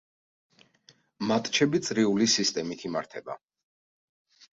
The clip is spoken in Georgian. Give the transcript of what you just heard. მატჩები წრიული სისტემით იმართება.